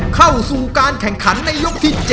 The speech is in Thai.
เข้าสู่การแข่งขันในยกที่๗